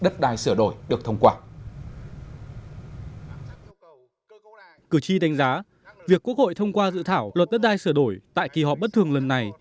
cử tri đánh giá việc quốc hội thông qua dự thảo luật đất đai sửa đổi tại kỳ họp bất thường lần này